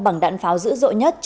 bằng đạn pháo dữ dội nhất